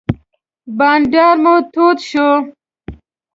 بانډار مو تود شو.